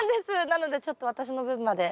なのでちょっと私の分まで。